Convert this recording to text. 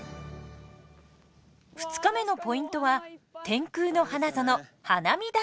２日目のポイントは天空の花園花見平。